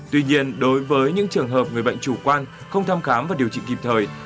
tuy nhiên đối với những trường hợp người bệnh chủ quan không thăm khám và điều trị kịp thời